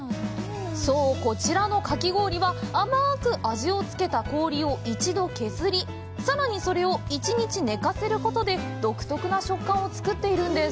そう、こちらのかき氷は、甘く味をつけた氷を一度削り、さらにそれを１日寝かせることで、独特な食感を作っているんです。